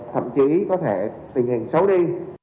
thậm chí có thể tình hình xấu đi